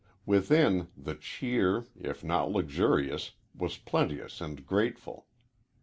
Within, the cheer, if not luxurious, was plenteous and grateful.